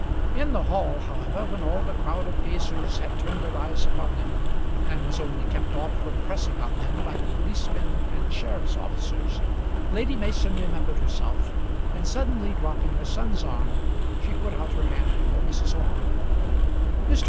In the hall, however, when all the crowd of gazers had turned their eyes upon them and was only kept off from pressing on them by the policemen and sheriff's officers, Lady Mason remembered herself, and suddenly dropping her son's arm, she put out her hand for Mrs. Orme. Mr.